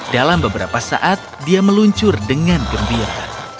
dalam beberapa saat dia meluncur dengan gembira